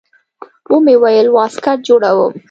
ومې ويل واسکټ جوړوم.